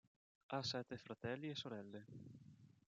Ha sette fratelli e sorelle.